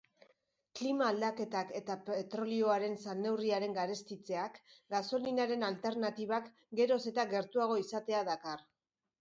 Klima-aldaketak eta petrolioaren salneurriaren garestitzeak gasolinaren alternatibak geroz eta gertuago izatea dakar.